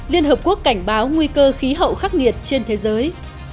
liên hợp quốc cảnh báo nguy cơ khí hậu khắc nghiệt trên thế giới